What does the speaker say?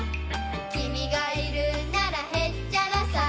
「君がいるならへっちゃらさ」